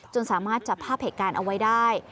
สามารถจับภาพเหตุการณ์เอาไว้ได้